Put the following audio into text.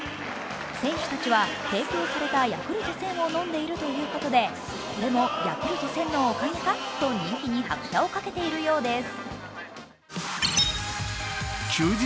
選手たちは提供されたヤクルト１０００を飲んでいるということでこれもヤクルト１０００のおかげかと人気に拍車をかけているようです。